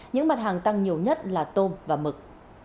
những mặt hàng tăng nhiều nhất là tôm và mực